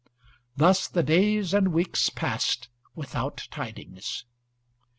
Thus the days and weeks passed without tidings.